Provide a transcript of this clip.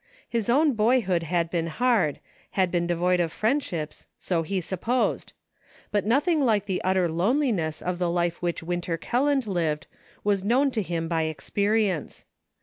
His own boyhood had been hard, had been devoid of friendships, so he supposed ; but nothing like the utter loneliness of the life which Winter Kelland lived was known to him by experience.